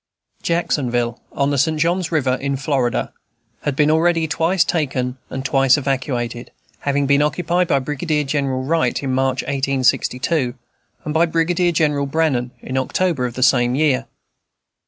Jacksonville, on the St. John's River, in Florida, had been already twice taken and twice evacuated; having been occupied by Brigadier General Wright, in March, 1862, and by Brigadier General Brannan, in October of the same year.